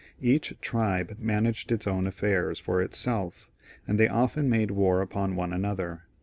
Each tribe managed its own affairs for itself, and they often made war upon one another.